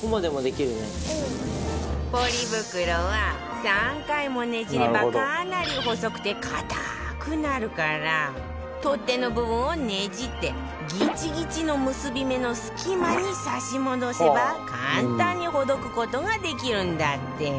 ポリ袋は３回もねじればかなり細くて固くなるから取っ手の部分をねじってギチギチの結び目の隙間に挿し戻せば簡単にほどく事ができるんだって